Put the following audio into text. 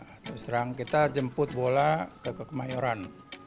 seterang seterang kita jemput bola ke kemayoran